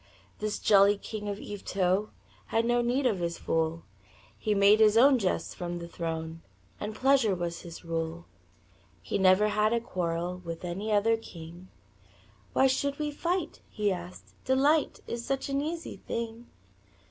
This jolly king of Yvetot Had no need of his fool He made his own jests from the throne And pleasure was his rule. He never had a quarrel With any other king; "Why should we fight?" he asked. "Delight Is such an easy thing."